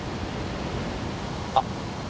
あっ。